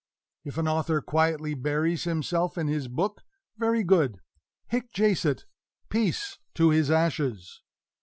If an author quietly buries himself in his book very good! hic jacet: peace to his ashes!